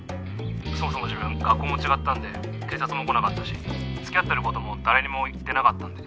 そもそも自分学校も違ったんで警察も来なかったしつきあってることも誰にも言ってなかったんで。